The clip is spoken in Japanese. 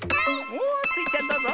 おおスイちゃんどうぞ！